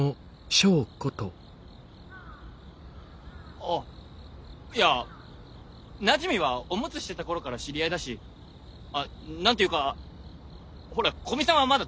あいやなじみはオムツしてた頃から知り合いだし何て言うかほら古見さんはまだ友達になった